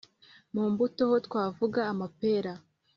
mu mbuto ho twavuga amapera